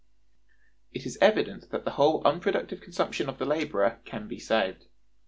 It is evident that the whole unproductive consumption of the laborer can be saved.